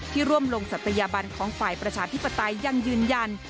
ร่วมลงศัตยบันของฝ่ายประชาธิปไตยยังยืนยัน